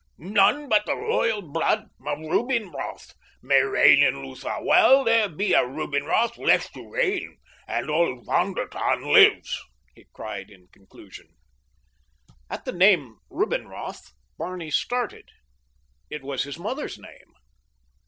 "None but the royal blood of Rubinroth may reign in Lutha while there be a Rubinroth left to reign and old Von der Tann lives," he cried in conclusion. At the name "Rubinroth" Barney started. It was his mother's name.